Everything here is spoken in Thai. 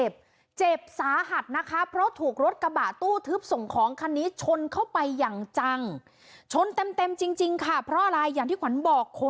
เจ็บเจ็บสาหัสนะคะเพราะถูกรถกระบะตู้ทึบส่งของคันนี้ชนเข้าไปอย่างจังชนเต็มจริงค่ะเพราะอะไรอย่างที่ขวัญบอกคน